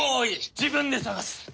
自分で探す！